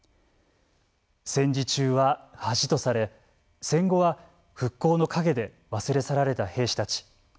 戦時中は恥とされ戦後は復興の陰で忘れ去られた兵士たち。